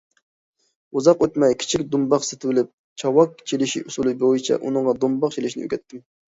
ئۇزاق ئۆتمەي كىچىك دۇمباق سېتىۋېلىپ، چاۋاك چېلىش ئۇسۇلى بويىچە ئۇنىڭغا دومباق چېلىشنى ئۆگەتتىم.